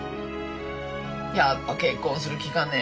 やっぱ結婚する気かね？